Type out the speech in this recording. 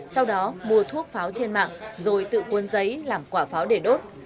sau đó mua thuốc pháo trên mạng rồi tự cuốn giấy làm quả pháo để đốt